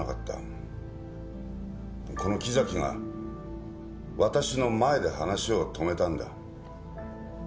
この木崎がわたしの前で話を止めたんだ。